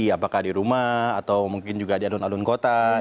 apakah di rumah atau mungkin juga di alun alun kota